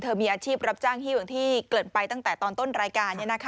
มีอาชีพรับจ้างฮิ้วอย่างที่เกิดไปตั้งแต่ตอนต้นรายการ